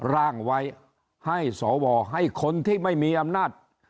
ร่างไว้ให้สวให้คนที่ไม่มีอำนาจ